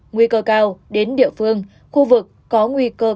nguy cơ cao đến địa phương khu vực có nguy cơ cao